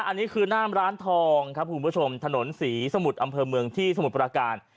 อันนี้คือหน้ามร้านทองครับคุณผู้ชมถนนศรีสมุทรอำเภอเมืองที่สมุทรประการ